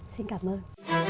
xin cảm ơn